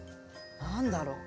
何だろう？